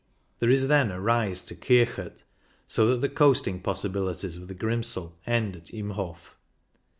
There is then a rise to Kirchet, so that the coasting possibilities of the Grimsel end at Im Hof.